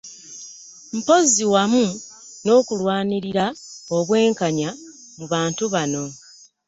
Mpozzi wamu n'okulwanirira obwenkanya mu bantu bano.